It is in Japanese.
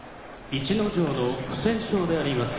逸ノ城の不戦勝であります。